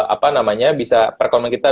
apa namanya bisa perekonomian kita